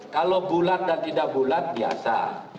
kalau bulat dan tidak bulat biasa